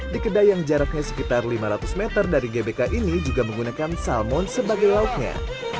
di kedai yang jaraknya sekitar lima ratus meter dari gbk ini juga menggunakan salmon sebagai lauknya